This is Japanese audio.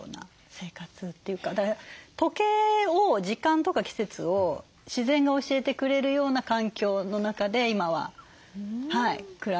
時計を時間とか季節を自然が教えてくれるような環境の中で今は暮らさせてもらってます。